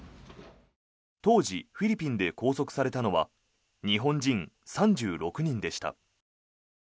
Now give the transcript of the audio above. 当時フィリピンで拘束されたのは日本人３６人でした。